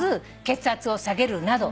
血圧を下げるなど。